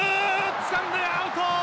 つかんでアウト！